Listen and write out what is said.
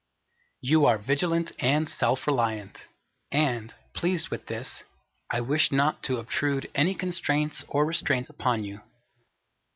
You are vigilant and self reliant; and, pleased with this, I wish not to obtrude any constraints or restraints upon you.